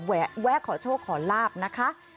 แวะขอโชคขอลาบนะคะ